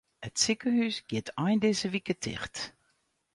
It sikehús giet ein dizze wike ticht.